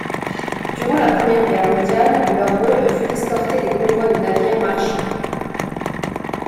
Durant la Première Guerre mondiale, leur rôle fut d'escorter des convois de navires marchands.